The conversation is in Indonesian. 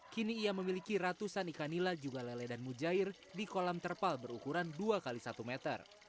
kini ia memiliki ratusan ikan nila juga lele dan mujair di kolam terpal berukuran dua x satu meter